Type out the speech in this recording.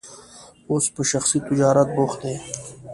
اوس په شخصي تجارت بوخت دی.